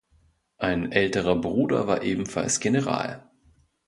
Ein älterer Bruder war ebenfalls General.